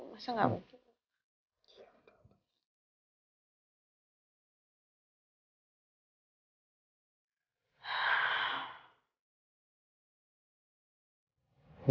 masa gak begitu